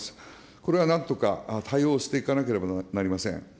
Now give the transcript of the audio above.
これはなんとか対応していかなければなりません。